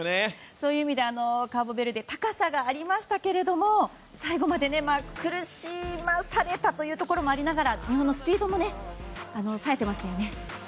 そういう意味でカーボベルデは高さがありましたけど最後まで苦しまされたところもありながら日本のスピードもさえてましたよね。